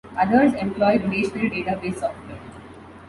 Others employ relational database software.